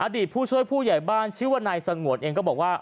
ผู้ช่วยผู้ใหญ่บ้านชื่อว่านายสงวนเองก็บอกว่า